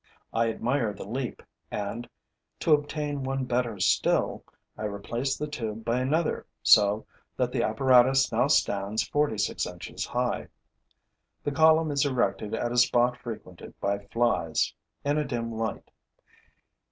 I admire the leap and, to obtain one better still, I replace the tube by another, so that the apparatus now stands forty six inches high. The column is erected at a spot frequented by flies, in a dim light.